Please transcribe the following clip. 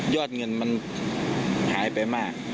อดเงินมันหายไปมาก